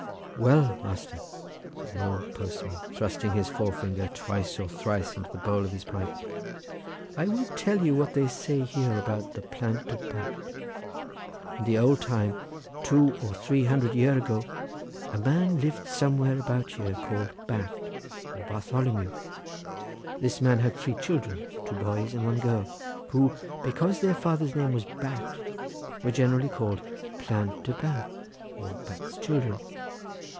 "Well, master," said the old postman, thrusting his forefinger twice or thrice into the bowl of his pipe, "I will tell you what they says here about the Plant de Bat. In de old time two, three hundred year ago, a man lived somewhere about here called Bat, or Bartholomew; this man had three children, two boys and one girl, who, because their father's name was Bat, were generally called Plant de Bat, or Bat's children.